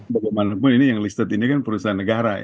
bagaimanapun ini yang listed ini kan perusahaan negara